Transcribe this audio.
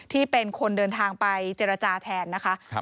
ที่เป็นคนเดินทางไปเจรจาแทนนะคะ